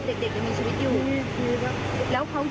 แต่ยังมีชีวิตอยู่นะครับ